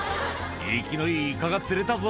「生きのいいイカが釣れたぞ」